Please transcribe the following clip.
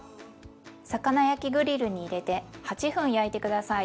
魚焼きグリルに入れて８分焼いて下さい。